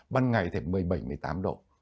ban ngày thì một mươi bảy một mươi tám độ